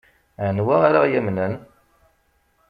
Anwa ara ɣ-yamnen?